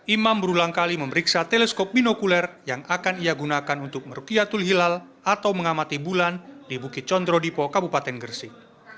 imam berulang kali memeriksa teleskop binokuler yang akan ia gunakan untuk merukiatul hilal atau mengamati bulan di bukit condro dipo kabupaten gersik